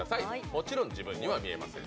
もちろん自分には見えません。